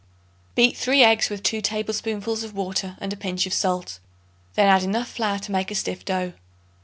Beat 3 eggs with 2 tablespoonfuls of water and a pinch of salt; then add enough flour to make a stiff dough.